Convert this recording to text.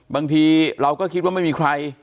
บางทีเราก็คิดว่าไม่มีใคร